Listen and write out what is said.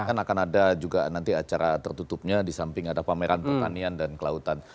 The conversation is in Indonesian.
kan akan ada juga nanti acara tertutupnya di samping ada pameran pertanian dan kelautan